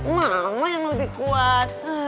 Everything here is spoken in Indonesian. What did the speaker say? mama yang lebih kuat